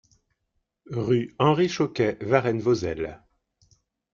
Rue Henri Choquet, Varennes-Vauzelles